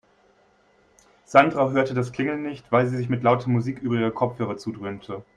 Sandra hörte das Klingeln nicht, weil sie sich mit lauter Musik über ihre Kopfhörer zudröhnte.